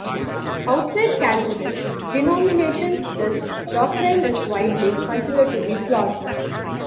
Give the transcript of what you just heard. Outside Calvinist denominations this doctrine is widely considered to be flawed.